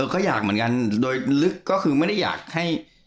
ก็อยากเหมือนกันโดยลึกก็คือไม่ได้อยากให้